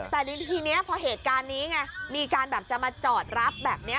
แต่ทีนี้พอเหตุการณ์นี้ไงมีการแบบจะมาจอดรับแบบนี้